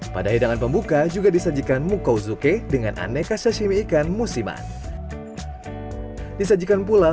pada hidangan pembuka juga disajikan mukau zuke dengan aneka sashimi ikan musiman disajikan pula